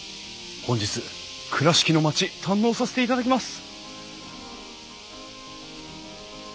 本日倉敷の町堪能させていただきます！